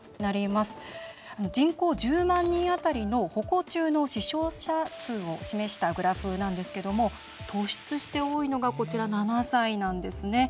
人口１０万人当たりの歩行中の死傷者数を示したグラフなんですが突出して多いのが７歳なんですね。